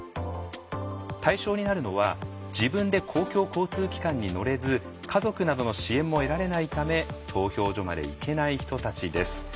対象になるのは自分で公共交通機関に乗れず家族などの支援も得られないため投票所まで行けない人たちです。